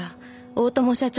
大友社長。